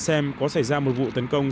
xem có xảy ra một vụ tấn công